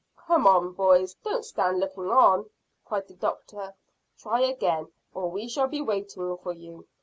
"Come, boys, don't stand looking on," cried the doctor. "Try again, or we shall be waiting for you.